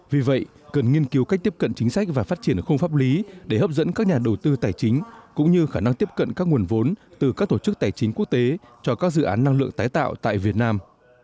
vì vậy cần nghiên cứu cách tiếp cận chính sách và phát triển không pháp lý để hấp dẫn các nhà đầu tư tài chính cũng như khả năng tiếp cận các nguồn vốn từ các tổ chức tài chính quốc tế cho các dự án năng lượng tái tạo tại việt nam